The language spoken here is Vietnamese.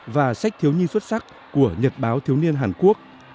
và sách thiếu nhi xuất sắc của nhật báo thiếu niên hàn quốc